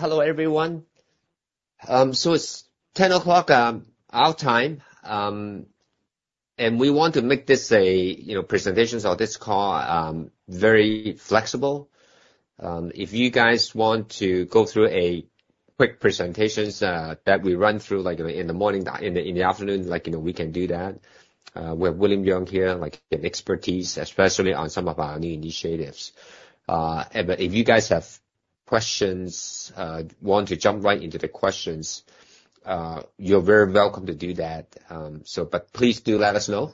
Hello, everyone. So it's 10:00 A.M., our time. And we want to make this a, you know, presentations or this call, very flexible. If you guys want to go through a quick presentations, that we run through, like, in the morning, in the afternoon, like, you know, we can do that. We have William Yeung here, like, the expertise, especially on some of our new initiatives. But if you guys have questions, want to jump right into the questions, you're very welcome to do that. So, but please do let us know.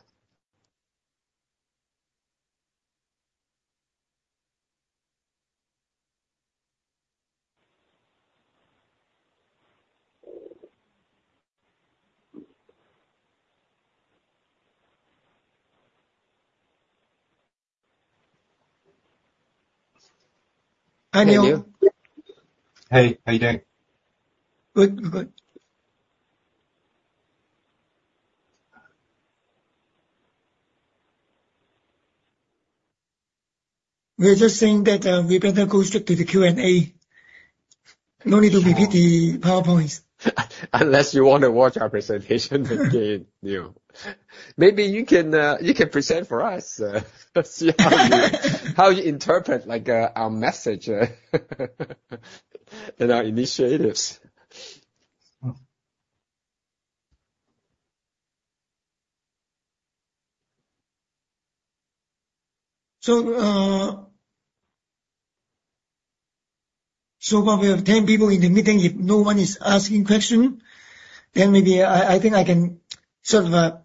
Hi, Neil. Hey, how you doing? Good, good. We're just saying that, we better go straight to the Q&A. No need to repeat the PowerPoints. Unless you want to watch our presentation again, you know. Maybe you can, you can present for us, let's see how you, how you interpret, like, our message, and our initiatives. So, so far, we have 10 people in the meeting. If no one is asking questions, then maybe I, I think I can sort of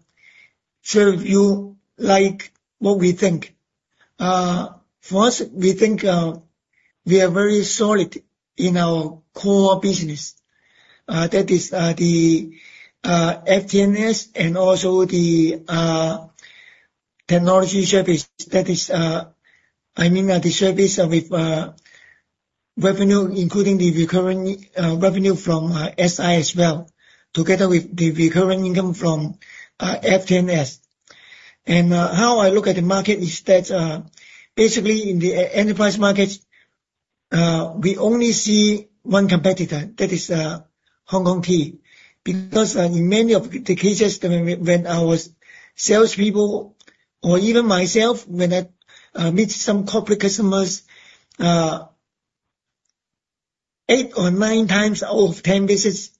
share with you, like, what we think. First, we think we are very solid in our core business. That is, the FTNS and also the technology service. That is, I mean, the service with revenue, including the recurring revenue from SI as well, together with the recurring income from FTNS. And, how I look at the market is that, basically, in the enterprise market, we only see one competitor, that is, Hong Kong T. Because in many of the cases, when our salespeople or even myself, when I meet some corporate customers, eight or nine times out of 10 visits,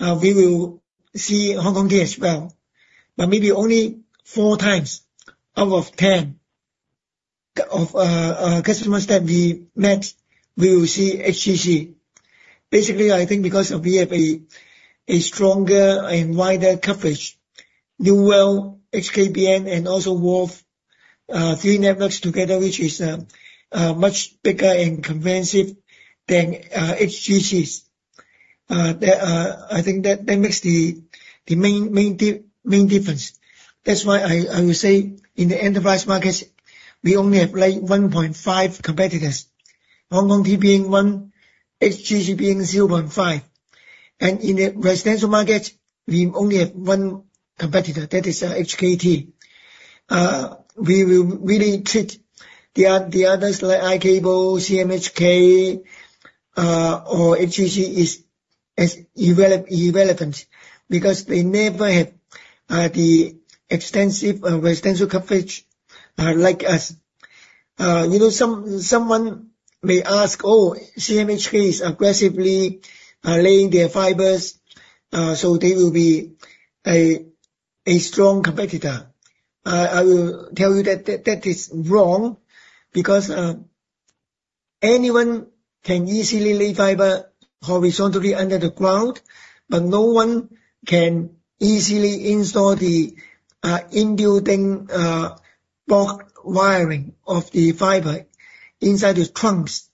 we will see Hong Kong T as well. But maybe only four times out of 10 of customers that we met, we will see HGC. Basically, I think because we have a stronger and wider coverage, New World, HKBN, and also Wharf, three networks together, which is much bigger and comprehensive than HGC's. That I think that makes the main difference. That's why I will say, in the enterprise markets, we only have, like, 1.5 competitors: Hong Kong T being one, HGC being 0.5. And in the residential market, we only have one competitor, that is, HKT. We will really treat the others like i-CABLE, CMHK, or HGC as irrelevant, because they never have the extensive residential coverage like us. You know, someone may ask, "Oh, CMHK is aggressively laying their fibers, so they will be a strong competitor." I will tell you that that is wrong because anyone can easily lay fiber horizontally under the ground, but no one can easily install the in-building bulk wiring of the fiber inside the trunks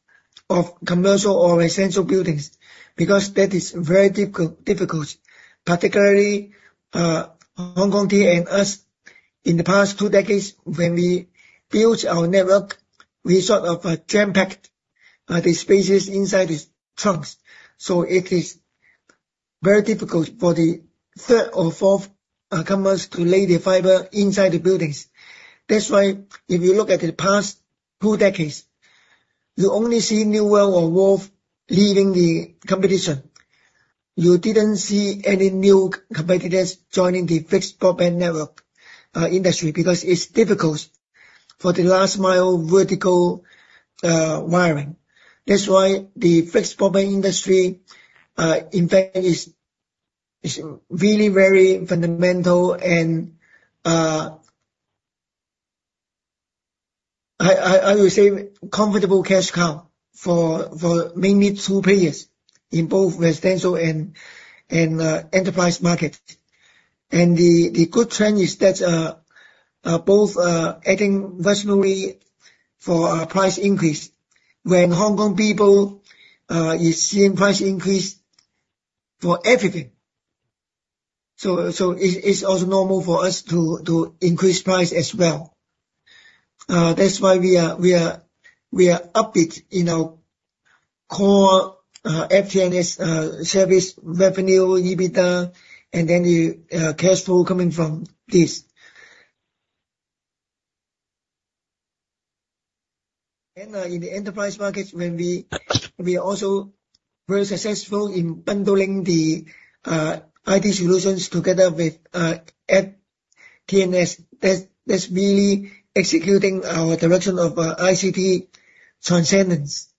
of commercial or residential buildings, because that is very difficult. Particularly, Hong Kong T and us, in the past two decades, when we built our network, we sort of jam-packed the spaces inside these trunks. So it is very difficult for the third or fourth comers to lay the fiber inside the buildings. That's why if you look at the past two decades, you only see New World or Wharf leaving the competition. You didn't see any new competitors joining the fixed broadband network industry, because it's difficult for the last mile vertical wiring. That's why the fixed broadband industry, in fact, is really very fundamental and I would say comfortable cash cow for mainly two players in both residential and enterprise market. And the good trend is that both adding rationally for a price increase. When Hong Kong people is seeing price increase for everything, so it's also normal for us to increase price as well. That's why we are upbeat in our core FTNS service revenue, EBITDA, and any cash flow coming from this. And in the enterprise market, we are also very successful in bundling the IT solutions together with FTNS. That's really executing our direction of ICT transcendence.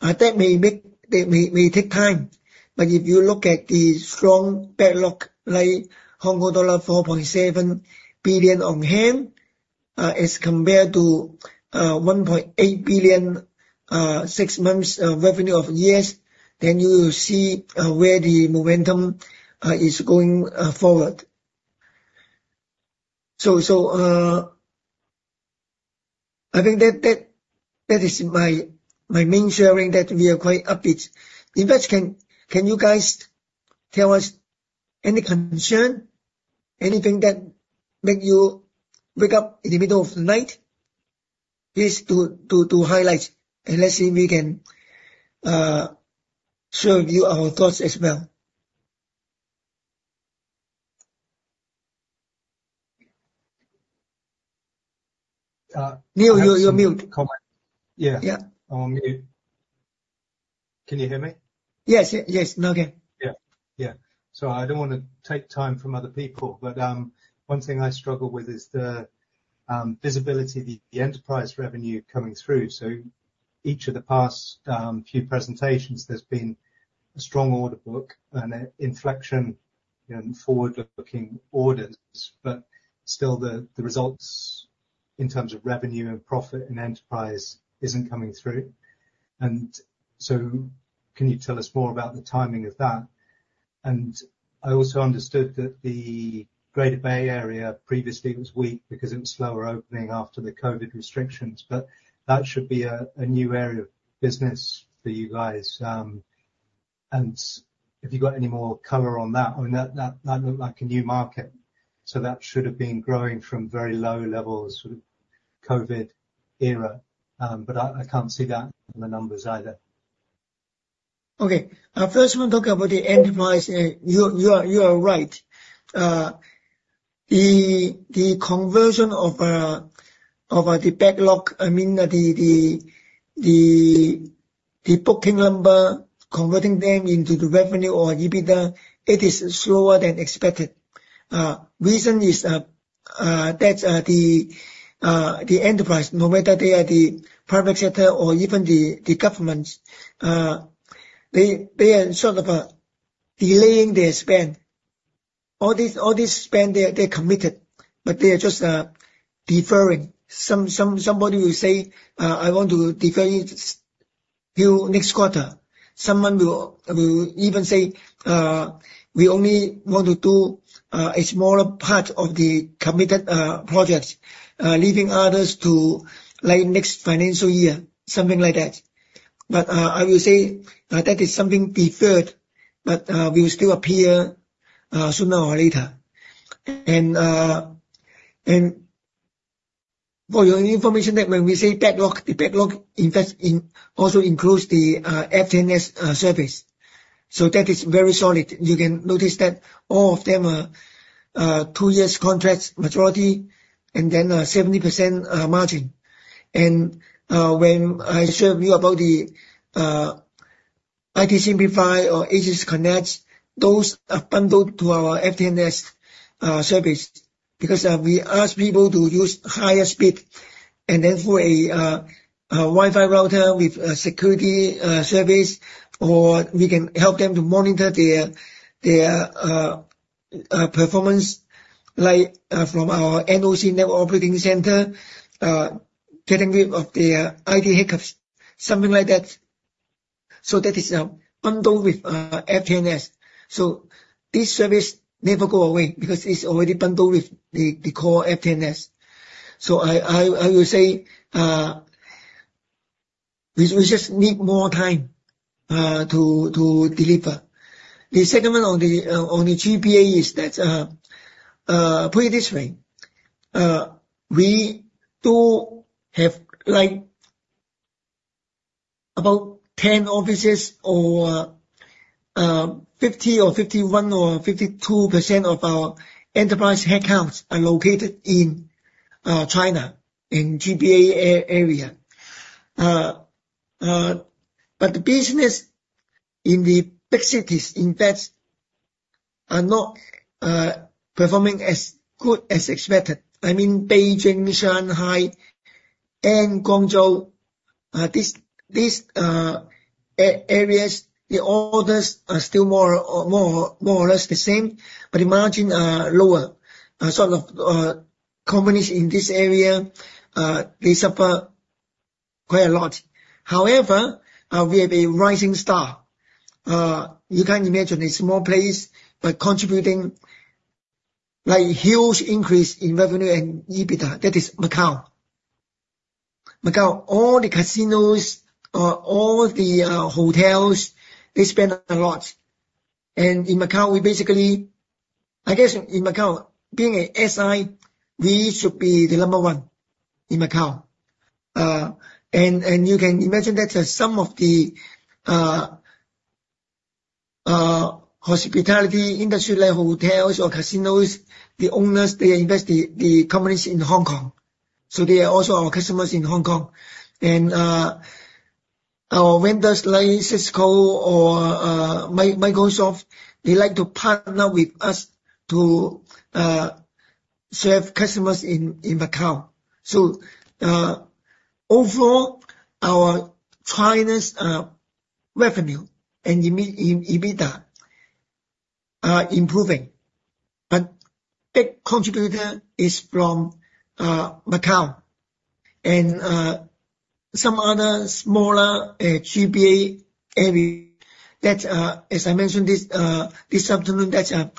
That may take time, but if you look at the strong backlog, like Hong Kong dollar 4.7 billion on hand, as compared to 1.8 billion six months revenue of years, then you will see where the momentum is going forward. So, I think that is my main sharing that we are quite upbeat. Investors, can you guys tell us any concern, anything that make you wake up in the middle of the night? Please do highlight, and let's see if we can show you our thoughts as well. Neil, you're mute. Comment. Yeah. Yeah. On mute. Can you hear me? Yes, yes, okay. Yeah. Yeah. So I don't want to take time from other people, but one thing I struggle with is the visibility, the enterprise revenue coming through. So each of the past few presentations, there's been a strong order book and an inflection in forward-looking orders. But still, the results in terms of revenue and profit and enterprise isn't coming through. And so can you tell us more about the timing of that? And I also understood that the Greater Bay Area previously was weak because it was slower opening after the COVID restrictions, but that should be a new area of business for you guys. And have you got any more color on that? I mean, that looked like a new market, so that should have been growing from very low levels with COVID era. But I can't see that in the numbers either. Okay. First, we'll talk about the enterprise. You are right. The conversion of the backlog, I mean, the booking number, converting them into the revenue or EBITDA, it is slower than expected. Reason is that the enterprise, no matter they are the private sector or even the government, they are sort of delaying their spend. All these spend, they are committed, but they are just deferring. Somebody will say, "I want to defer it till next quarter." Someone will even say, "We only want to do a smaller part of the committed projects, leaving others to, like, next financial year," something like that. But, I will say, that is something deferred, but, will still appear, sooner or later. And, and for your information, that when we say backlog, the backlog in fact also includes the FTNS service. So that is very solid. You can notice that all of them are, two years contracts majority, and then, 70% margin. And, when I share with you about the IT·Simplified or AegisConnect, those are bundled to our FTNS service. Because, we ask people to use higher speed, and then for a Wi-Fi router with a security service, or we can help them to monitor their performance, like from our NOC network operating center, getting rid of their IT hiccups, something like that. So that is bundled with FTNS. So this service never go away because it's already bundled with the, the core FTNS. So I will say, we just need more time to deliver. The second one on the GPA is that, put it this way. We do have, like, about 10 offices or 50% or 51% or 52% of our enterprise headcounts are located in China, in GPA area. But the business in the big cities, in fact, are not performing as good as expected. I mean, Beijing, Shanghai and Guangzhou. These areas, the orders are still more or less the same, but the margin are lower. Sort of companies in this area, they suffer quite a lot. However, we have a rising star. You can imagine a small place, but contributing, like, huge increase in revenue and EBITDA. That is Macau. Macau, all the casinos, all the hotels, they spend a lot. And in Macau, we basically... I guess in Macau, being an SI, we should be the number one in Macau. And you can imagine that, some of the hospitality industry, like hotels or casinos, the owners, they invest the, the companies in Hong Kong. So they are also our customers in Hong Kong. And our vendors like Cisco or Microsoft, they like to partner with us to serve customers in Macau. So overall, our China's revenue and EBITDA are improving. But a big contributor is from Macau and some other smaller GBA area that, as I mentioned this afternoon, that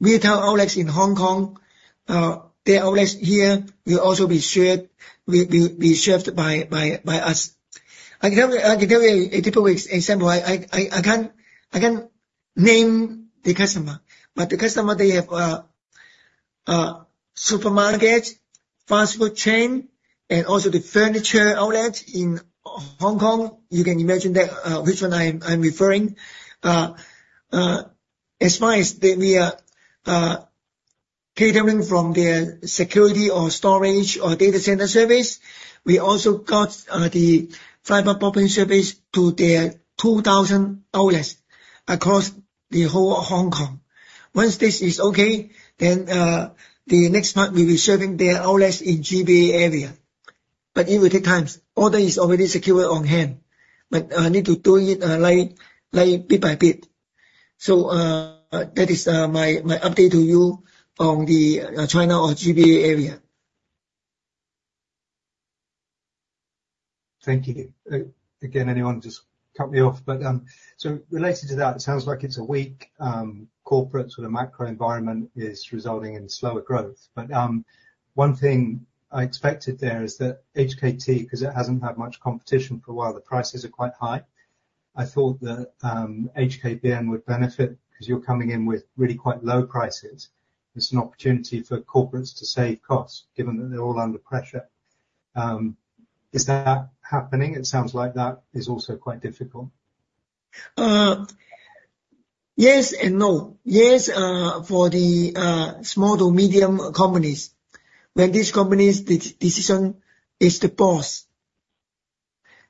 retail outlets in Hong Kong, their outlets here will also be shared, will be served by us. I can tell you a typical example. I can't name the customer, but the customer, they have a supermarket, fast food chain, and also the furniture outlet in Hong Kong. You can imagine that which one I'm referring. As far as that, we are catering from their security or storage or data center service. We also got the fiber broadband service to their 2,000 outlets across the whole Hong Kong. Once this is okay, then, the next part will be serving their outlets in GBA area. But it will take time. Order is already secured on hand, but, need to do it, like, like, bit by bit. So, that is, my, my update to you on the, China or GBA area. Thank you. Again, anyone just cut me off. But, so related to that, it sounds like it's a weak, corporate, sort of macro environment is resulting in slower growth. But, one thing I expected there is that HKT, 'cause it hasn't had much competition for a while, the prices are quite high. I thought that, HKBN would benefit 'cause you're coming in with really quite low prices. It's an opportunity for corporates to save costs, given that they're all under pressure. Is that happening? It sounds like that is also quite difficult. Yes and no. Yes, for the small to medium companies, when these companies, the decision is the boss.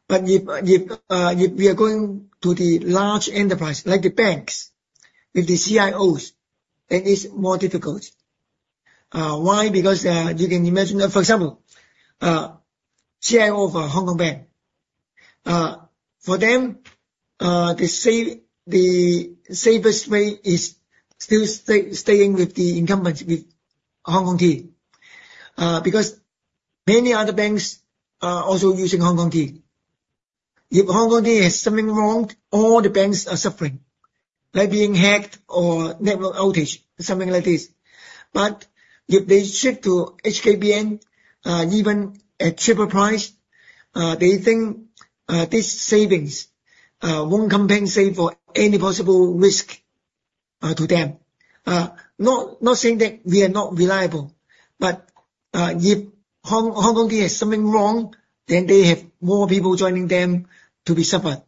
But if we are going to the large enterprise, like the banks, with the CIOs, it is more difficult. Why? Because you can imagine that, for example, CIO for Hong Kong Bank, for them, the safest way is still staying with the incumbent, with Hong Kong T. Because many other banks are also using Hong Kong T. If Hong Kong T has something wrong, all the banks are suffering, like being hacked or network outage, something like this. But if they shift to HKBN, even at cheaper price, they think these savings won't compensate for any possible risk to them. Not saying that we are not reliable, but if Hong Kong T has something wrong, then they have more people joining them to be suffered.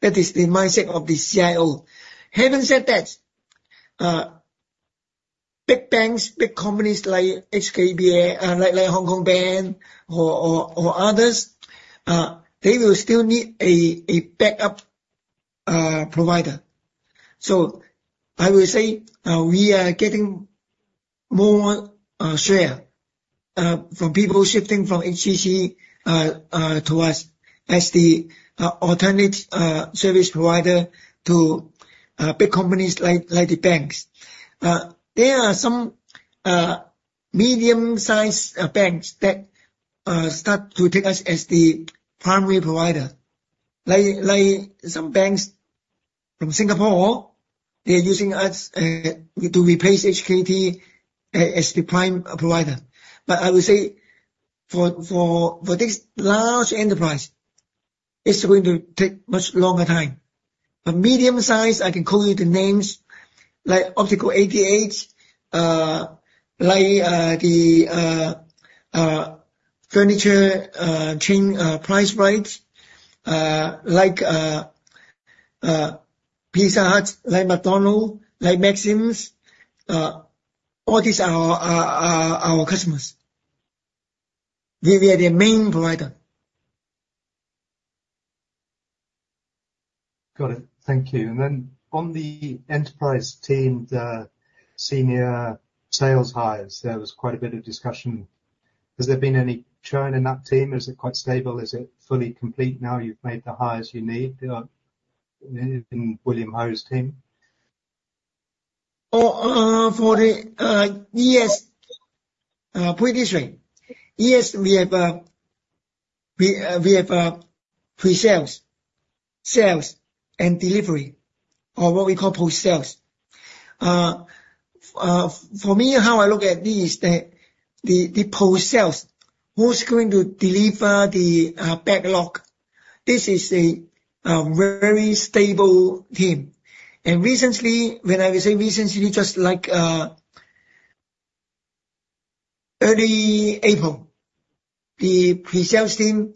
That is the mindset of the CIO. Having said that, big banks, big companies like HKBN, like Hong Kong Bank or others, they will still need a backup provider. So I will say, we are getting more share from people shifting from HGC to us as the alternate service provider to big companies like the banks. There are some medium-sized banks that start to take us as the primary provider. Like some banks from Singapore, they're using us to replace HKT as the prime provider. But I would say for this large enterprise, it's going to take much longer time. But medium-sized, I can call you the names like Optical 88, like the furniture chain Pricerite, like Pizza Hut, like McDonald's, like Maxim's, all these are our customers. We are their main provider. Got it. Thank you. And then on the enterprise team, the senior sales hires, there was quite a bit of discussion. Has there been any churn in that team? Is it quite stable? Is it fully complete now you've made the hires you need, in William Ho's team? Oh, for the, yes, previously. Yes, we have pre-sales, sales, and delivery, or what we call post-sales. For me, how I look at this is that the post-sales, who's going to deliver the backlog? This is a very stable team. And recently, when I say recently, just like early April, the pre-sales team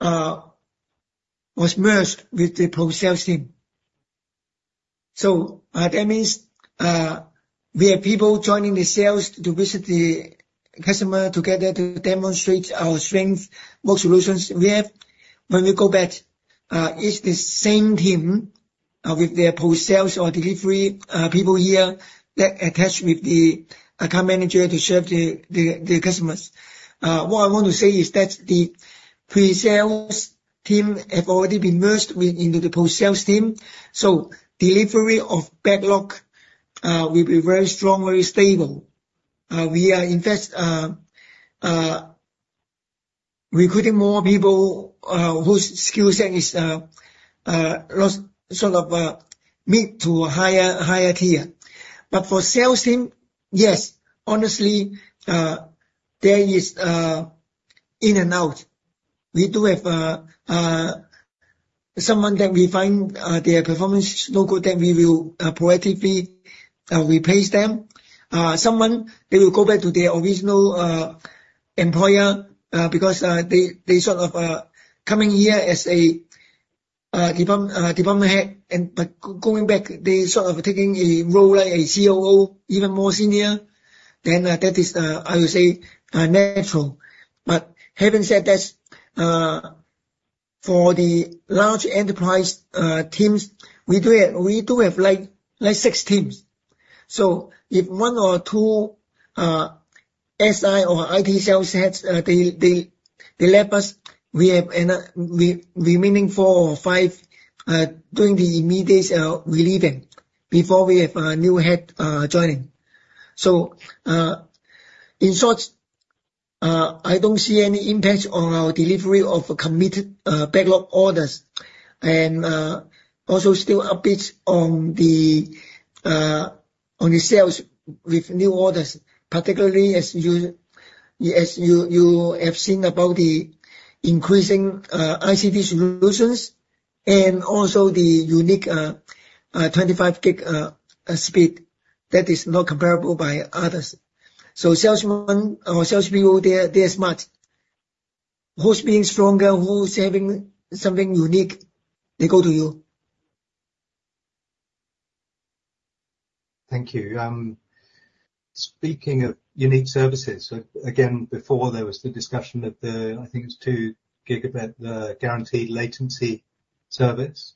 was merged with the post-sales team. So, that means, we have people joining the sales to visit the customer together to demonstrate our strength, what solutions we have. When we go back, it's the same team, with their post-sales or delivery people here that attach with the account manager to serve the customers. What I want to say is that the pre-sales team have already been merged into the post-sales team, so delivery of backlog will be very strong, very stable. We are, in fact, recruiting more people whose skill set is sort of mid to a higher tier. But for sales team, yes, honestly, there is in and out. We do have someone that we find their performance is no good, then we will proactively replace them. Someone, they will go back to their original employer because they, they sort of coming here as a department head, and but going back, they sort of taking a role, like a COO, even more senior, then that is, I would say, natural. But having said that, for the large enterprise teams, we do have like six teams. So if one or two SI or IT sales heads they left us, we have another four or five remaining during the immediate relieving before we have a new head joining. So in short, I don't see any impact on our delivery of committed backlog orders, and also still upbeat on the sales with new orders, particularly as you have seen about the increasing ICT Solutions and also the unique 25 Gb speed that is not comparable by others. So salesman or salespeople, they are smart. Who's being stronger, who's having something unique, they go to you. Thank you. Speaking of unique services, again, before there was the discussion of the, I think it was 2 Gb, guaranteed latency service.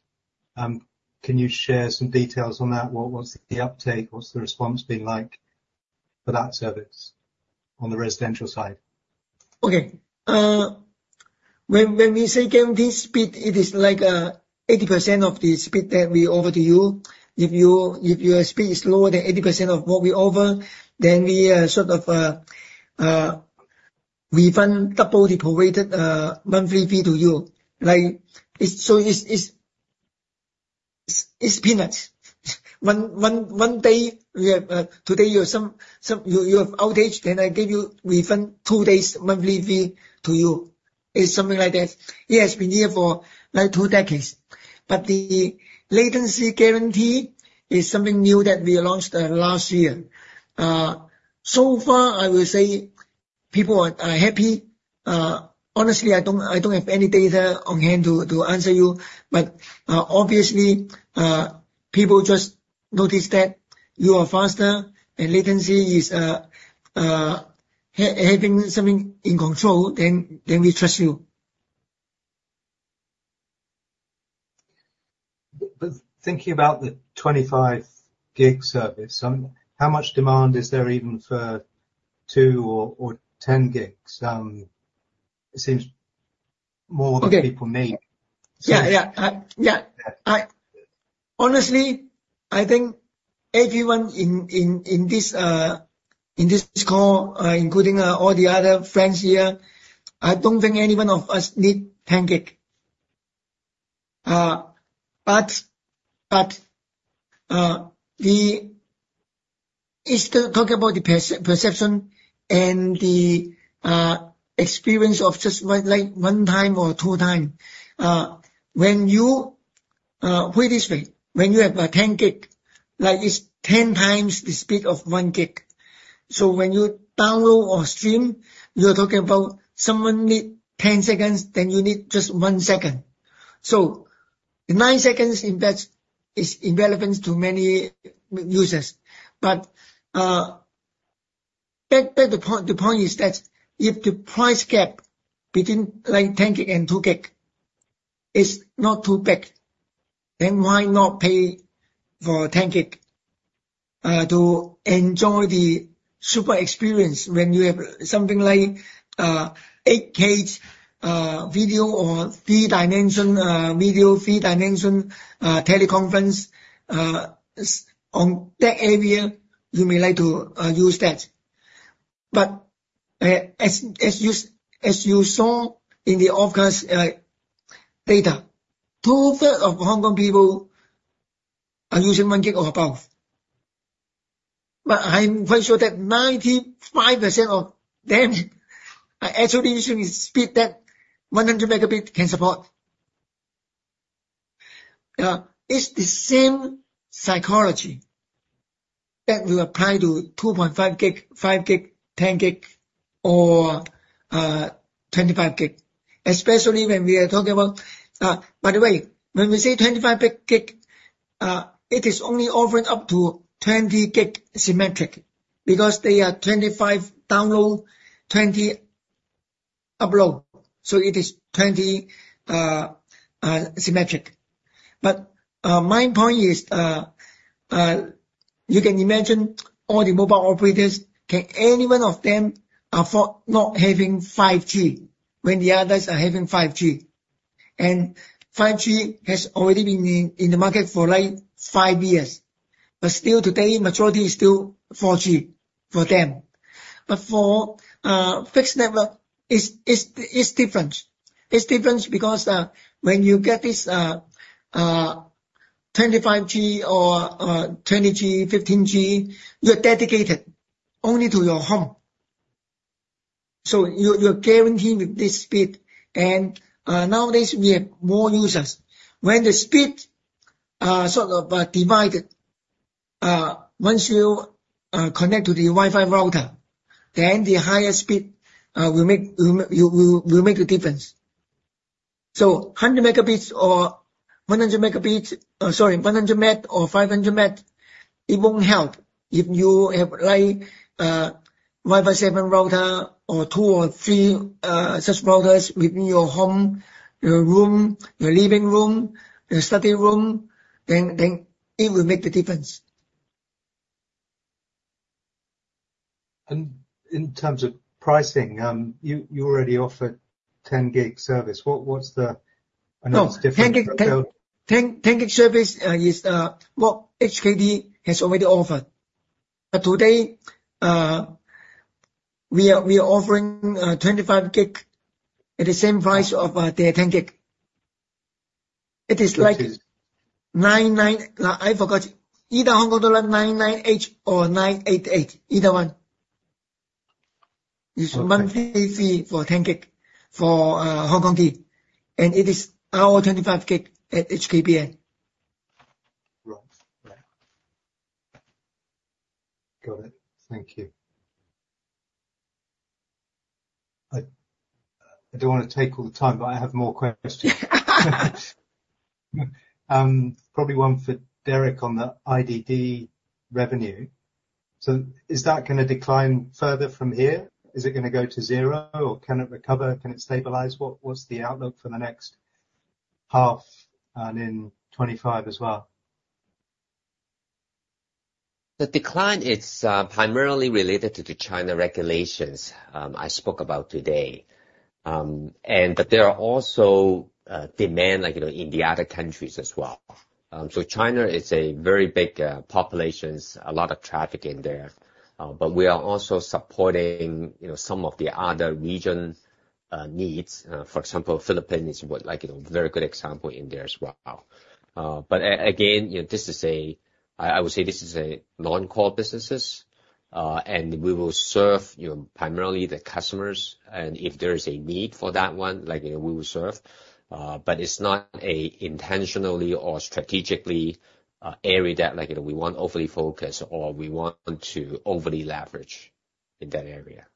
Can you share some details on that? What's the uptake? What's the response been like for that service on the residential side? Okay. When we say guaranteed speed, it is like 80% of the speed that we offer to you. If your speed is lower than 80% of what we offer, then we sort of refund double the prorated monthly fee to you. Like, it's peanuts. One day we have, today you have some outage, then I give you refund two days' monthly fee to you. It's something like that. It has been here for like two decades. But the latency guarantee is something new that we launched last year. So far, I will say people are happy. Honestly, I don't have any data on hand to answer you. But, obviously, people just notice that you are faster and latency is having something in control, then we trust you. But thinking about the 25 gig service, how much demand is there even for 2 or 10 gigs? It seems more than people need. Yeah, yeah. Yeah. Honestly, I think everyone in this call, including all the other friends here, I don't think anyone of us need 10 gig. But the... It's still talk about the perception and the experience of just what, like, one time or two time. When you put it this way, when you have a 10 gig, like, it's 10x the speed of 1 gig. So when you download or stream, you're talking about someone need 10 seconds, then you need just 1 second. So the 9 seconds impact is irrelevant to many users. But the point is that if the price gap between, like, 10 gig and 2 gig is not too big, then why not pay for 10 gig to enjoy the super experience when you have something like 8K video or 3D video, 3D teleconference. In that area, you may like to use that. But as you saw in the [OFCA] data, two-thirds of Hong Kong people are using 1 gig or above. But I'm quite sure that 95% of them are actually using the speed that 100 Mb can support... It's the same psychology that will apply to 2.5 gig, 5 gig, 10 gig, or 25 gig. Especially when we are talking about—by the way, when we say 25 gig, it is only offering up to 20 gig symmetric, because they are 25 download, 20 upload, so it is 20 symmetric. But my point is, you can imagine all the mobile operators, can any one of them afford not having 5G when the others are having 5G? And 5G has already been in the market for like five years, but still today, majority is still 4G for them. But for fixed network, it's different. It's different because when you get this 25 G or 20 G, 15 G, you're dedicated only to your home. So you're guaranteed with this speed. And nowadays, we have more users. When the speed sort of divided once you connect to the Wi-Fi router, then the higher speed will make a difference. So 100 Mb or 100 Mb, sorry, 100 meg or 500 meg, it won't help if you have like Wi-Fi 7 router or two or three such routers within your home, your room, your living room, your study room, then it will make the difference. In terms of pricing, you, you already offered 10 gig service. What, what's the- No. I know it's different- 10 gig, 10, 10 gig service is what HKT has already offered. But today, we are, we are offering 25 gig at the same price of their 10 gig. It is like 9.9, I forgot. Either HKD 9.98 or HKD 9.88, either one. Okay. It's monthly fee for 10 gig for Hong Kong T, and it is our 25 gig at HKBN. Right. Yeah. Got it. Thank you. I don't want to take all the time, but I have more questions. Probably one for Derek on the IDD revenue. So is that gonna decline further from here? Is it gonna go to zero, or can it recover, can it stabilize? What's the outlook for the next half and in 2025 as well? The decline is primarily related to the China regulations I spoke about today. But there are also demand, like, you know, in the other countries as well. So China is a very big populations, a lot of traffic in there, but we are also supporting, you know, some of the other region needs. For example, Philippines was like, you know, very good example in there as well. But again, you know, this is a... I would say this is a non-core businesses, and we will serve, you know, primarily the customers. And if there is a need for that one, like, you know, we will serve, but it's not a intentionally or strategically area that, like, you know, we want overly focused or we want to overly leverage in that area.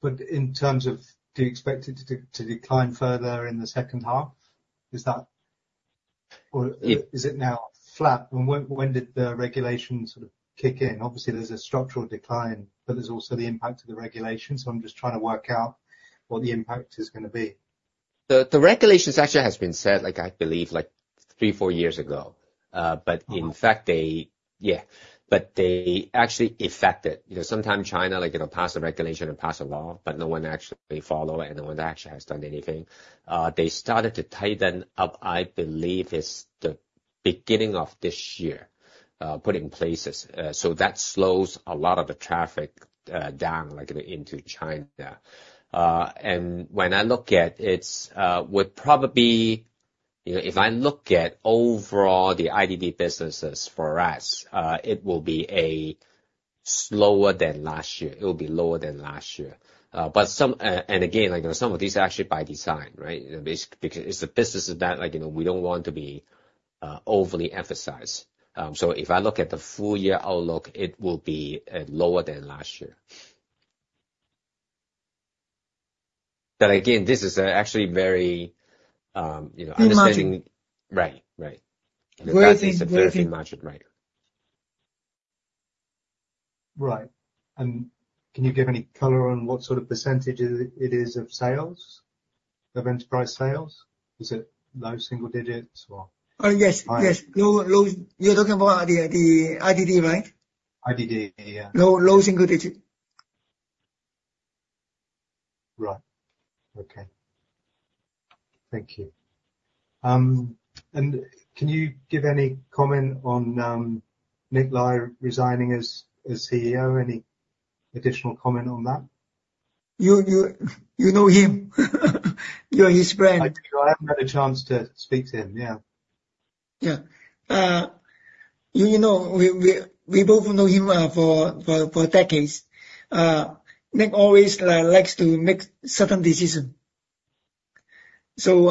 But in terms of, do you expect it to decline further in the second half? Is that, or Is it now flat? When, when did the regulations sort of kick in? Obviously, there's a structural decline, but there's also the impact of the regulations, so I'm just trying to work out what the impact is gonna be. The regulations actually has been set, like, I believe, like 3-4 years ago. But- Uh huh In fact, they... Yeah, but they actually affected. You know, sometimes China, like, you know, pass a regulation and pass a law, but no one actually follow, and no one actually has done anything. They started to tighten up, I believe, it's the beginning of this year, put in places. So that slows a lot of the traffic down, like, into China. And when I look at it's, would probably... You know, if I look at overall the IDD businesses for us, it will be a slower than last year. It will be lower than last year. But some, and again, like some of these are actually by design, right? Because it's a business that, like, you know, we don't want to be overly emphasized. So if I look at the full year outlook, it will be lower than last year. But again, this is actually very, you know- Imagine. Right. Right. Where the- It's a very margin, right. Right. And can you give any color on what sort of percentage it is of sales, of enterprise sales? Is it low single digits or? Yes, yes. You're talking about the IDD, right? IDD, yeah. Low, low single digit. Right. Okay. Thank you. And can you give any comment on NiQ Lai resigning as CEO? Any additional comment on that? You know him. You're his friend. I do. I haven't had a chance to speak to him, yeah.... Yeah. You know, we both know him for decades. NiQ always, like, likes to make certain decision. So,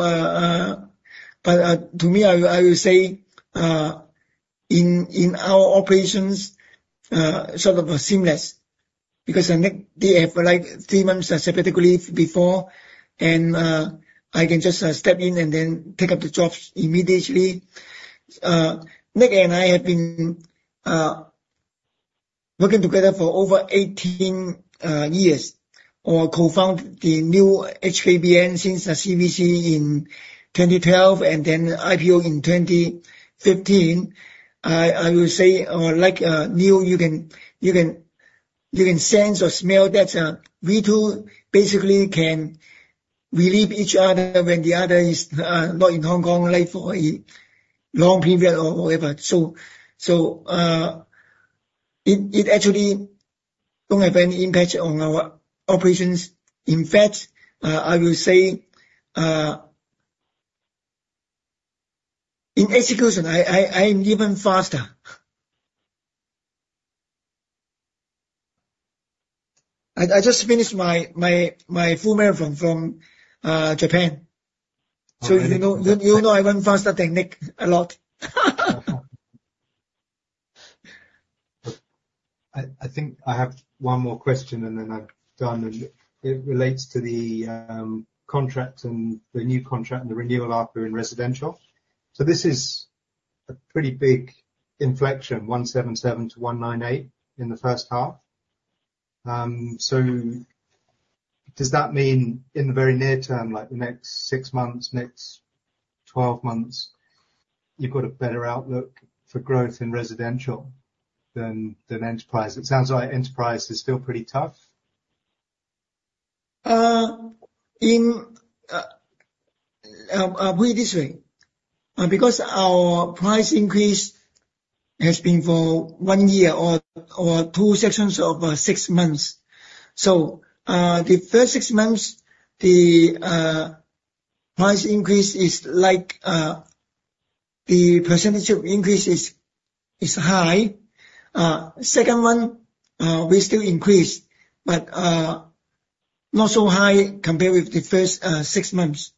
but, to me, I will say, in our operations, sort of seamless, because, they have like three months sabbatical leave before, and I can just step in and then take up the jobs immediately. NiQ and I have been working together for over 18 years, or co-found the new HKBN since the CVC in 2012 and then IPO in 2015. I will say, like, Neil, you can sense or smell that we two basically can relieve each other when the other is not in Hong Kong, like, for a long period or whatever. Actually, it don't have any impact on our operations. In fact, I will say, in execution, I'm even faster. I just finished my full marathon in Japan. So you know, I run faster than NiQ, a lot. I, I think I have one more question, and then I'm done, and it relates to the contract and the new contract and the renewal ARPU in residential. So this is a pretty big inflection, 177-198 in the first half. So does that mean in the very near term, like the next six months, next twelve months, you've got a better outlook for growth in residential than, than enterprise? It sounds like enterprise is still pretty tough. I'll put it this way, because our price increase has been for one year or two sections of 6 months. So, the first 6 months, the price increase is like the percentage of increase is high. Second one, we still increase, but not so high compared with the first 6 months.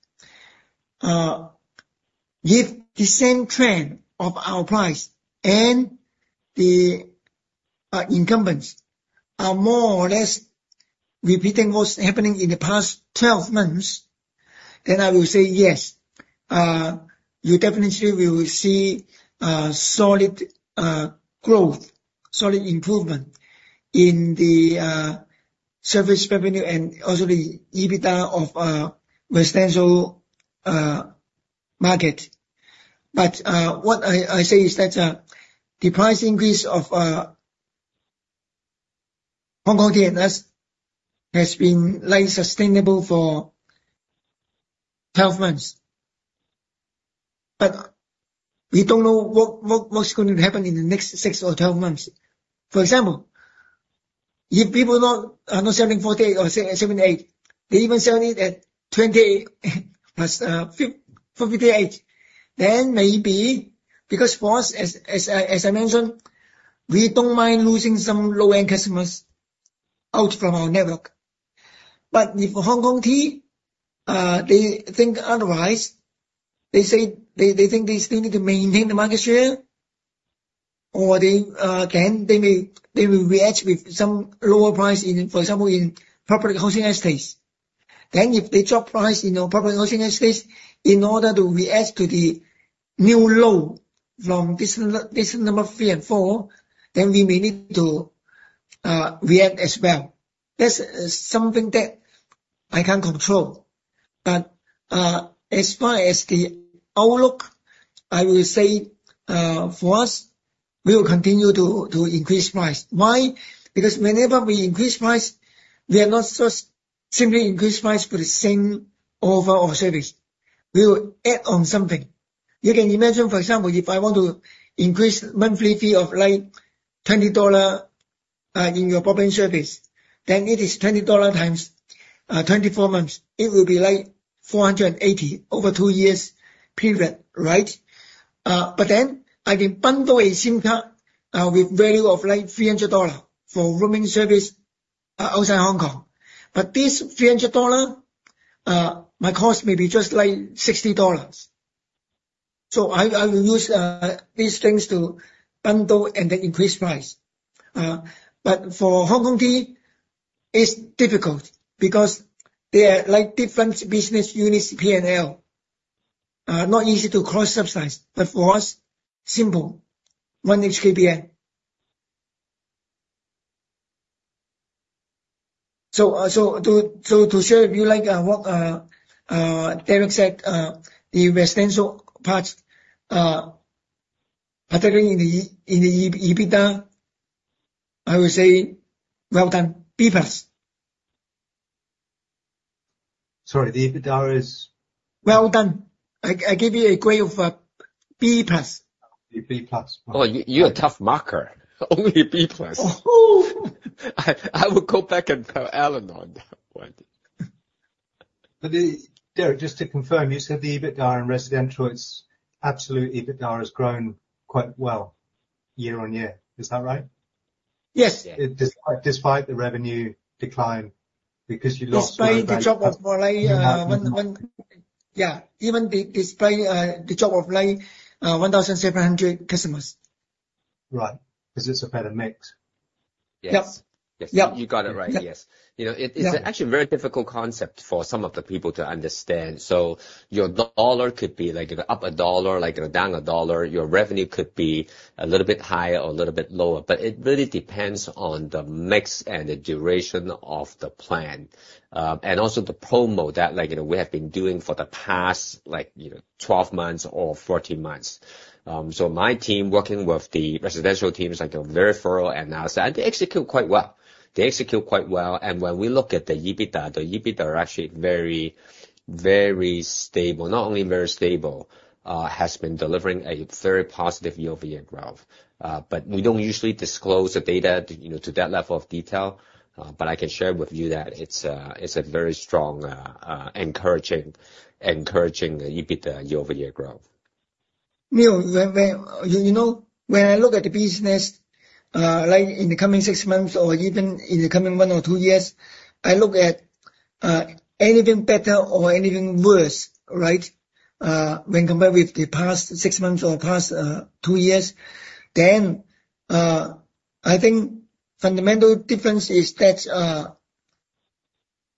If the same trend of our price and the incumbents are more or less repeating what's happening in the past 12 months, then I will say, yes, you definitely will see solid growth, solid improvement in the service revenue and also the EBITDA of residential market. But what I say is that the price increase of Hong Kong's has been like sustainable for 12 months. But we don't know what's going to happen in the next six or 12 months. For example, if people are not selling 48 or 78, they even selling it at 20 + 58, then maybe... Because for us, as I mentioned, we don't mind losing some low-end customers out from our network. But if Hong Kong T they think otherwise, they think they still need to maintain the market share, or they may, they will react with some lower price in, for example, in public housing estates. Then, if they drop price in our public housing estates, in order to react to the new low from business number three and, then we may need to react as well. That's something that I can't control. But, as far as the outlook, I will say, for us, we will continue to increase price. Why? Because whenever we increase price, we are not just simply increase price for the same offer or service. We will add on something. You can imagine, for example, if I want to increase monthly fee of like 20 dollar, in your broadband service, then it is 20 dollar × 24 months. It will be like 480 over two years period, right? But then I can bundle a SIM card, with value of like 300 dollar for roaming service, outside Hong Kong. But this 300 dollar, my cost may be just like 60 dollars. So I will use these things to bundle and then increase price. But for Hong Kong T, it's difficult because they are like different business units, P&L. Not easy to cross-subsidize. But for us, simple, one HKBN. So to share with you, like what Derek said, the residential parts, particularly in the EBITDA, I will say, well done, B+. Sorry, the EBITDA is? Well done. I give you a grade of B+. B+. Well, you're a tough marker. Only B plus. I will go back and tell Alan on that one. But, just to confirm, you said the EBITDA in residential, it's absolute EBITDA has grown quite well year-on-year. Is that right? Yes. Despite the revenue decline, because you lost- Despite the drop of like 1,700 customers. Right. 'Cause it's a better mix. Yep. Yes. Yep. Yes, you got it right. Yes. You know, it- Yeah. It's actually a very difficult concept for some of the people to understand. So your dollar could be, like, up a dollar, like, down a dollar. Your revenue could be a little bit higher or a little bit lower, but it really depends on the mix and the duration of the plan, and also the promo that, like, you know, we have been doing for the past, like, you know, 12 months or 14 months. So my team, working with the residential teams, like, a very thorough analysis, and they execute quite well. They execute quite well, and when we look at the EBITDA, the EBITDA are actually very, very stable. Not only very stable, has been delivering a very positive year-over-year growth. But we don't usually disclose the data to, you know, to that level of detail, but I can share with you that it's a very strong, encouraging EBITDA year-over-year growth. Neil, when you know, when I look at the business, like in the coming six months or even in the coming one or two years, I look at anything better or anything worse, right? When compared with the past six months or past two years, then I think fundamental difference is that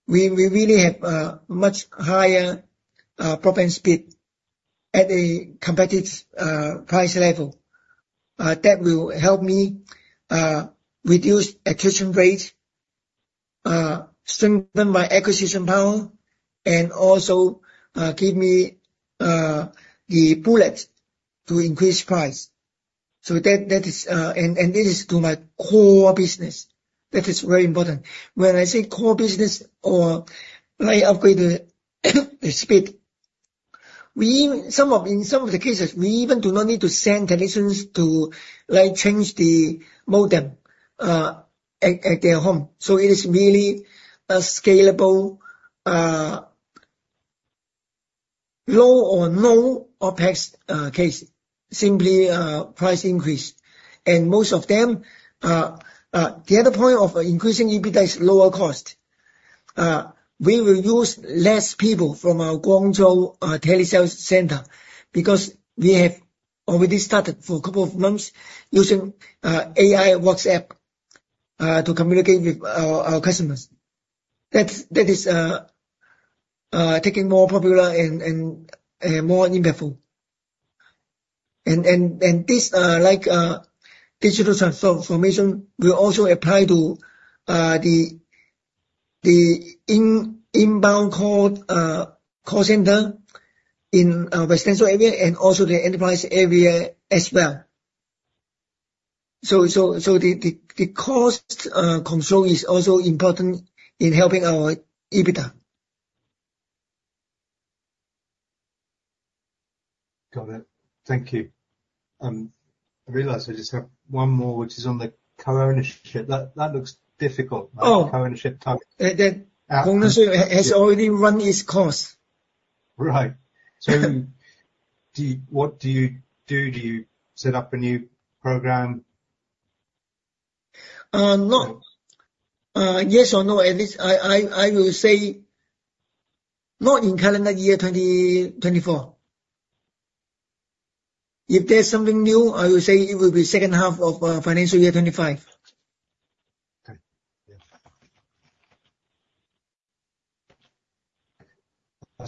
we really have a much higher broadband speed at a competitive price level. That will help me reduce attrition rate, strengthen my acquisition power, and also give me the bullet to increase price. So that is... And this is to my core business. That is very important. When I say core business or like upgrade the speed, in some of the cases, we even do not need to send technicians to like change the modem at their home. So it is really a scalable low or no OpEx case, simply price increase. And most of them. The other point of increasing EBITDA is lower cost. We will use less people from our Guangzhou telesales center because we have already started for a couple of months using AI WhatsApp to communicate with our customers. That is taking more popular and more impactful. And this like digital transformation will also apply to the inbound call center in residential area and also the enterprise area as well. So the cost control is also important in helping our EBITDA. Got it. Thank you. I realize I just have one more, which is on the co-ownership. That looks difficult- Oh! - the co-ownership type. It, it- Uh... has already run its course. Right. So do you, what do you do? Do you set up a new program? No. Yes or no, at least I will say not in calendar year 2024. If there's something new, I will say it will be second half of financial year 2025. Okay. Yeah. That's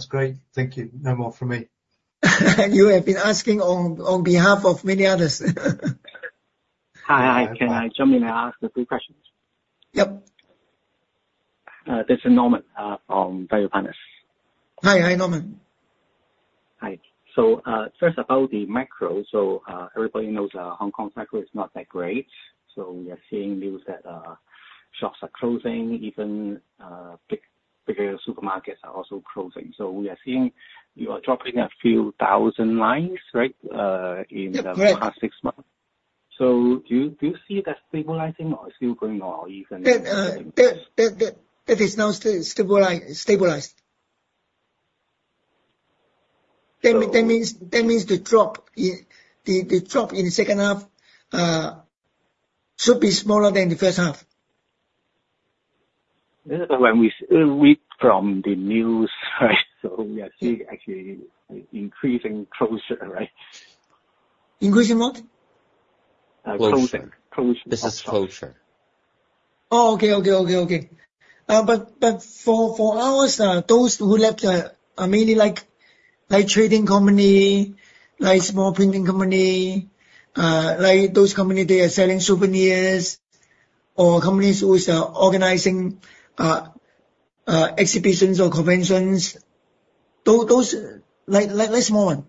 great. Thank you. No more from me. You have been asking on behalf of many others. Hi. Hi, can I jump in and ask a few questions? Yep. This is Norman from Value Partners. Hi. Hi, Norman. Hi. So, first about the macro. So, everybody knows that Hong Kong macro is not that great, so we are seeing news that shops are closing. Even, big, bigger supermarkets are also closing. So we are seeing you are dropping a few thousand lines, right, Yep, correct... in the past six months. So do you, do you see that stabilizing or still going on or even- That is now stabilized. That means, that means the drop in... the drop in the second half should be smaller than the first half. Yeah, but when we read from the news, right, so we are seeing actually increasing closure, right? Increasing what? Uh, closure. Closure. Business closure. Oh, okay, okay, okay, okay. But, but for, for us, those who left are mainly, like, like trading company, like small printing company, like those company, they are selling souvenirs, or companies who are organizing, exhibitions or conventions. Those, those, like, like small one.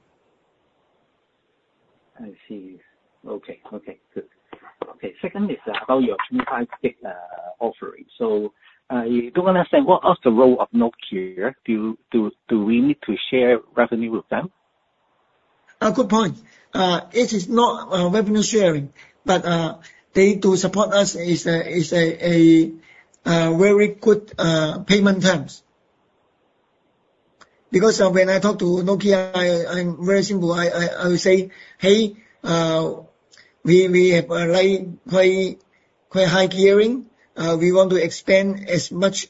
I see. Okay. Okay, good. Okay, second is about your 25 offering. So, do you understand what the role of Nokia is? Do we need to share revenue with them?... Good point. It is not revenue sharing, but they do support us is a very good payment terms. Because when I talk to Nokia, I'm very simple. I will say, "Hey, we have like quite high gearing. We want to expand as much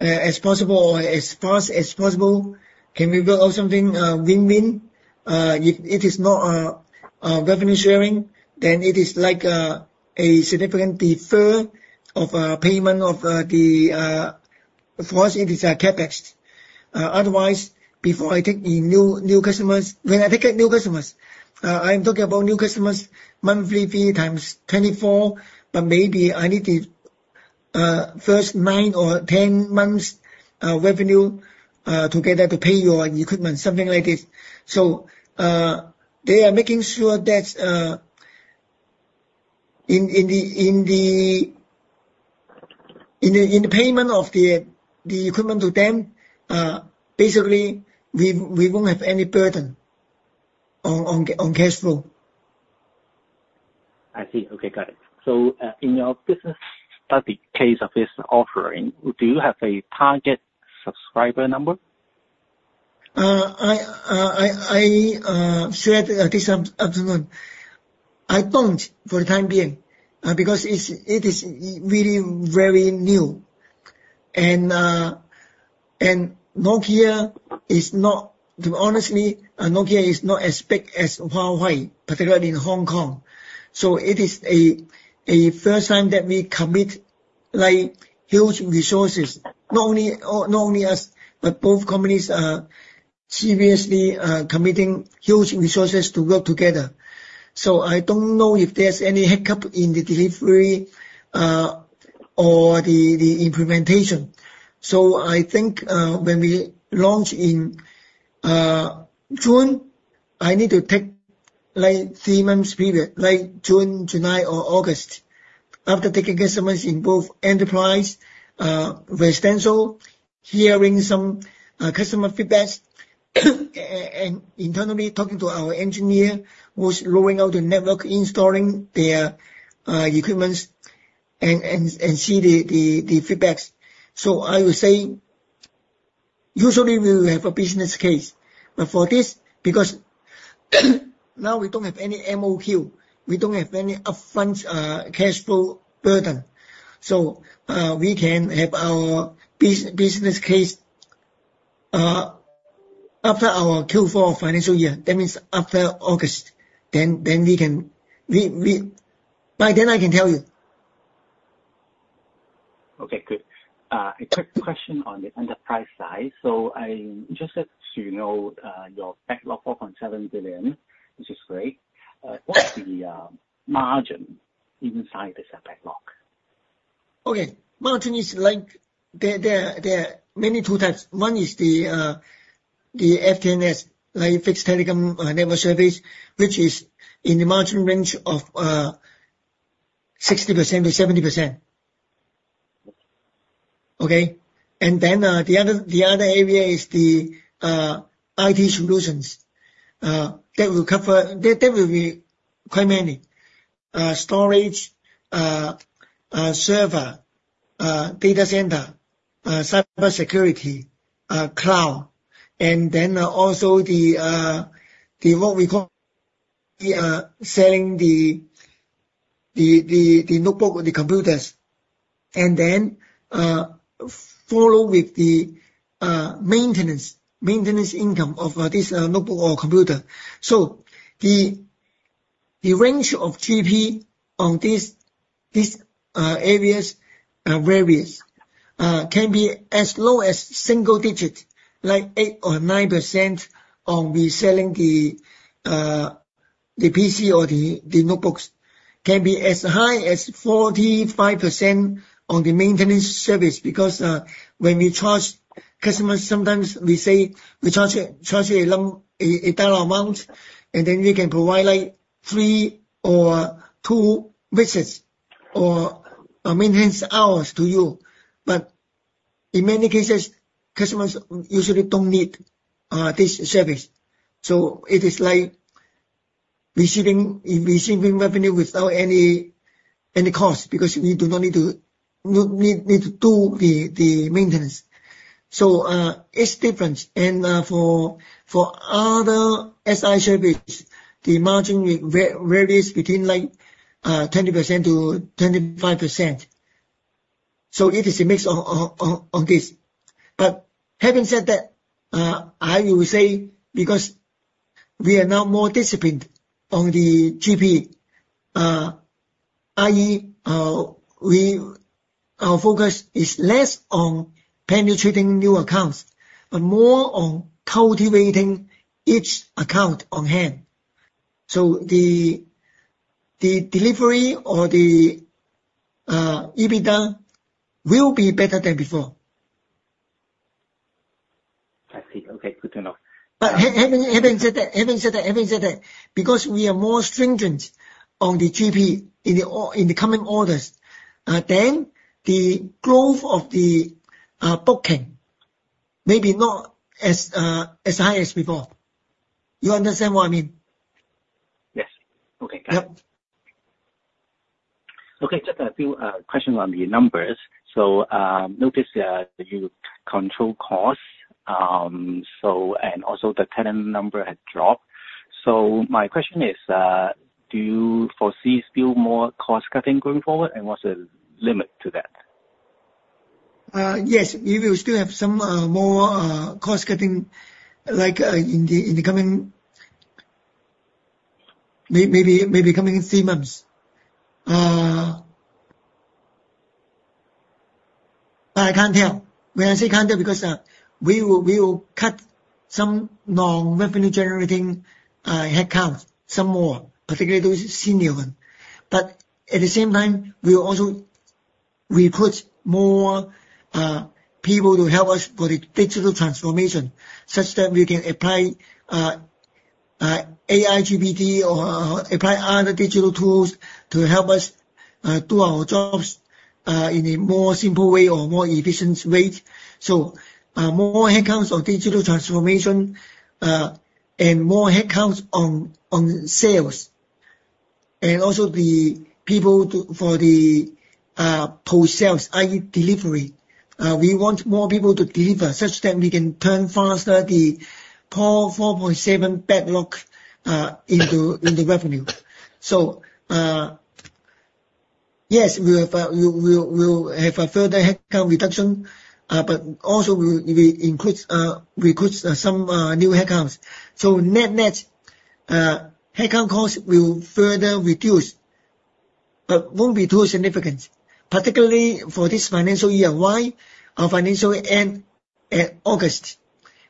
as possible or as fast as possible. Can we build out something win-win? If it is not revenue sharing, then it is like a significant defer of payment of the for us, it is a CapEx. Otherwise, before I take the new customers—when I take new customers, I'm talking about new customers, monthly fee times 24, but maybe I need the first nine or 10 months revenue together to pay your equipment, something like this. So, they are making sure that in the payment of the equipment to them, basically, we won't have any burden on cash flow. I see. Okay, got it. So, in your business study case of this offering, do you have a target subscriber number? I said this afternoon, I don't, for the time being, because it's really very new. And Nokia is not... Honestly, Nokia is not as big as Huawei, particularly in Hong Kong. So it is a first time that we commit, like, huge resources, not only us, but both companies are seriously committing huge resources to work together. So I don't know if there's any hiccup in the delivery or the implementation. So I think when we launch in June, I need to take, like, three months period, like June, July, or August. After taking customers in both enterprise, residential, hearing some customer feedback, and internally talking to our engineer who's rolling out the network, installing their equipment and see the feedback. So I would say, usually we will have a business case. But for this, because now we don't have any MOQ, we don't have any upfront cash flow burden, so we can have our business case after our Q4 financial year. That means after August, then we can ...We- By then, I can tell you. Okay, good. A quick question on the enterprise side. So I'm interested to know, your backlog, 4.7 billion, which is great. What's the margin inside this backlog? Okay. Margin is like, there are mainly two types. One is the FTNS, like Fixed Telecom Network Service, which is in the margin range of 60%-70%. Okay? And then, the other area is the IT solutions. That will cover... That will be quite many. Storage, server, data center, cyber security, cloud, and then also the what we call selling the notebook or the computers. And then follow with the maintenance income of this notebook or computer. So the range of GP on these areas varies. Can be as low as single digits, like 8% or 9% on the selling the PC or the notebooks. Can be as high as 45% on the maintenance service, because when we charge customers, sometimes we say we charge a lump, a HKD amount, and then we can provide, like, 3 or 2 visits or maintenance hours to you. But in many cases, customers usually don't need this service. So it is like receiving revenue without any cost, because we do not need to do the maintenance. So it's different. And for other SI services, the margin varies between, like, 20%-25%. So it is a mix of this. But having said that, I will say, because we are now more disciplined on the GP, i.e., our focus is less on penetrating new accounts, but more on cultivating each account on hand. So the delivery or the EBITDA will be better than before. I see. Okay, good to know. But having said that, because we are more stringent on the GP in the coming orders, then the growth of the booking may be not as high as before. You understand what I mean? Yes. Okay, got it. Okay, just a few questions on the numbers. So, notice that you control costs, so, and also the tenant number had dropped. So my question is, do you foresee still more cost cutting going forward, and what's the limit to that? Yes, we will still have some more cost cutting, like, in the coming, maybe, three months. But I can't tell. When I say can't tell, because we will cut some non-revenue generating headcount, some more, particularly those senior one. But at the same time, we will also recruit more people to help us for the digital transformation, such that we can apply AI GPT or apply other digital tools to help us do our jobs in a more simple way or more efficient way. So, more headcounts on digital transformation, and more headcounts on sales, and also the people for the post sales, i.e. delivery. We want more people to deliver such that we can turn faster the poor 4.7 backlog into into revenue. So, yes, we will, we will, we will have a further headcount reduction, but also we, we increase, recruit some new headcounts. So net, net, headcount cost will further reduce, but won't be too significant, particularly for this financial year. Why? Our financial end at August,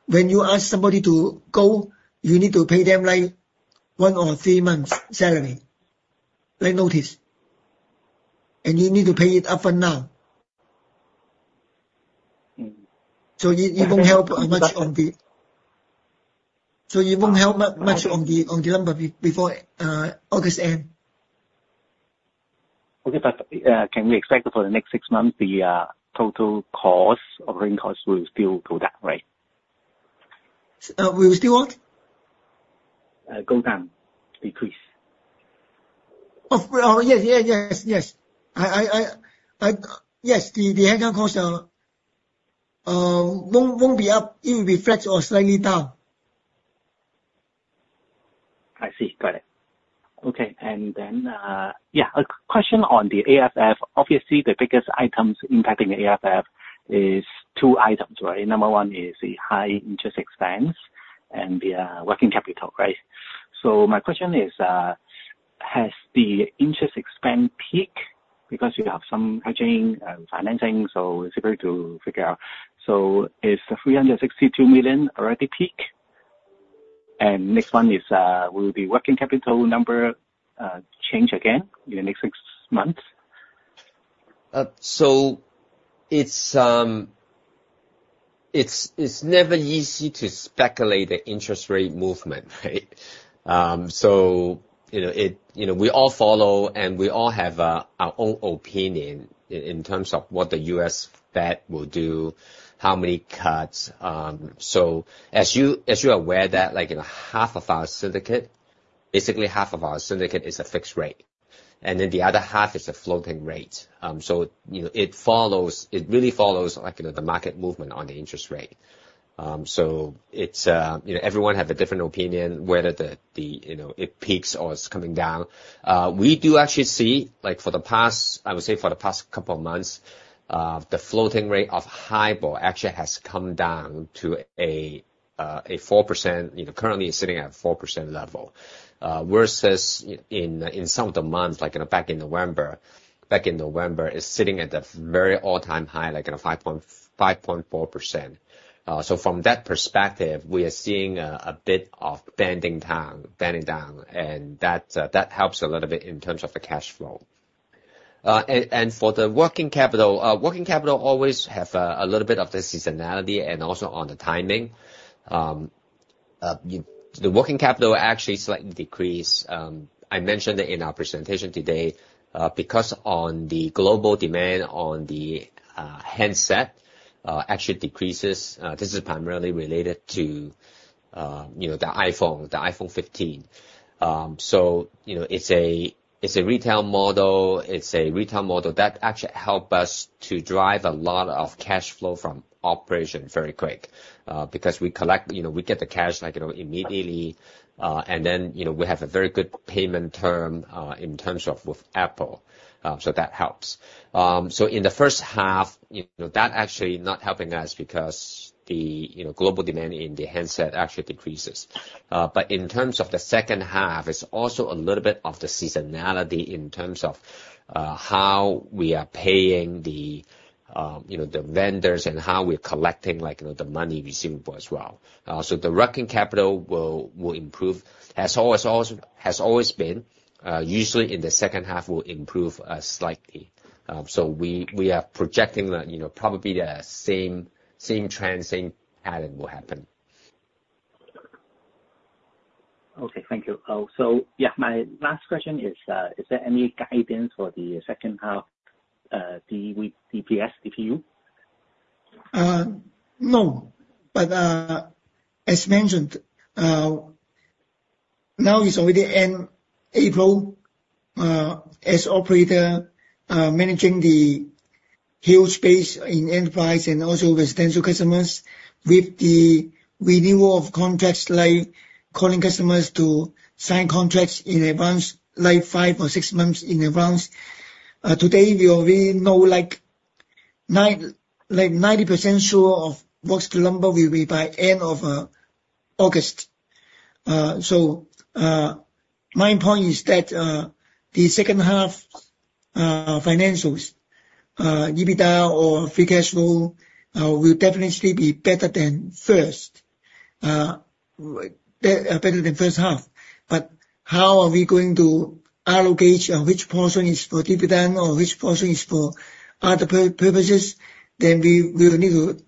when you ask somebody to go, you need to pay them, like, one or three months salary, like notice, and you need to pay it up front now. Mm-hmm. So it won't help much on the number before August end. Okay, but can we expect for the next six months, the total cost, operating cost, will still go down, right? Will still what? Go down. Decrease. Of course. Oh, yes, yes, yes, yes. Yes, the headcount cost won't be up. It will be flat or slightly down. I see. Got it. Okay. And then, yeah, a question on the AFF. Obviously, the biggest items impacting the AFF is two items, right? Number one is the high interest expense and the, working capital, right? So my question is, has the interest expense peaked? Because you have some hedging and financing, so it's difficult to figure out. So is the 362 million already peak? And next one is, will the working capital number, change again in the next six months? So it's, it's never easy to speculate the interest rate movement, right? So you know, it, you know, we all follow, and we all have, our own opinion in terms of what the U.S. Fed will do, how many cuts. So as you, as you're aware that, like, you know, half of our syndicate, basically half of our syndicate is a fixed rate, and then the other half is a floating rate. So, you know, it follows, it really follows like, you know, the market movement on the interest rate. So it's, you know, everyone have a different opinion whether the, the, you know, it peaks or it's coming down. We do actually see, like for the past, I would say for the past couple of months, the floating rate of HIBOR actually has come down to a 4%, you know, currently sitting at 4% level, versus in, in some of the months, like, you know, back in November, back in November, it's sitting at the very all-time high, like at a 5.4%. So from that perspective, we are seeing a bit of bending down, bending down, and that helps a little bit in terms of the cash flow. And for the working capital, working capital always have a little bit of the seasonality and also on the timing. The working capital actually slightly decrease. I mentioned it in our presentation today, because on the global demand on the handset actually decreases. This is primarily related to, you know, the iPhone, the iPhone 15. So, you know, it's a retail model, it's a retail model that actually help us to drive a lot of cash flow from operation very quick. Because we collect, you know, we get the cash, like, you know, immediately. And then, you know, we have a very good payment term in terms of with Apple. So that helps. So in the first half, you know, that actually not helping us because the, you know, global demand in the handset actually decreases. But in terms of the second half, it's also a little bit of the seasonality in terms of how we are paying the, you know, the vendors, and how we're collecting, like, you know, the money receivable as well. So the working capital will improve. As always, has always been, usually in the second half will improve slightly. So we are projecting that, you know, probably the same trend, same pattern will happen. Okay. Thank you. So yeah, my last question is, is there any guidance for the second half, the DPS, if you? No, but as mentioned, now it's already end April. As operator, managing the huge space in enterprise and also residential customers, with the renewal of contracts like calling customers to sign contracts in advance, like five or six months in advance, today, we already know, like 90% sure of what's the number will be by end of August. So, my point is that, the second half financials, EBITDA or free cash flow, will definitely be better than first, better than first half. But how are we going to allocate, which portion is for dividend or which portion is for other purposes, then we will need to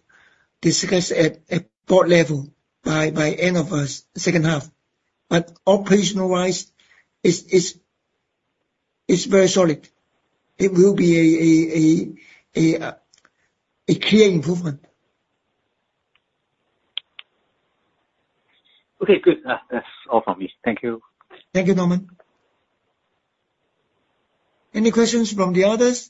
discuss at board level by end of second half. But operational-wise, it's very solid. It will be a clear improvement. Okay, good. That's all from me. Thank you. Thank you, Norman. Any questions from the others?